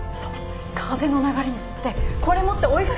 風の流れに沿ってこれ持って追いかけてたの。